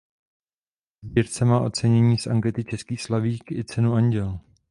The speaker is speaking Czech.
Ve sbírce má ocenění z ankety Český slavík i Cenu Anděl.